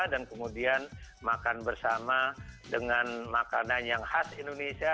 dan kemudian makan bersama dengan makanan yang khas indonesia